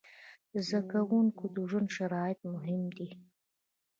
د زده کوونکو د ژوند شرایط مهم دي.